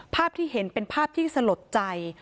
ภาพที่เห็นเป็นภาพที่สลดใจ